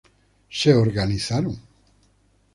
Se organizaron.